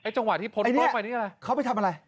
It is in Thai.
จังหวะที่ทอมไปว่าไปทำอะไร